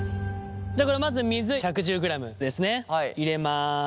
じゃあまず水１１０ｇですね入れます。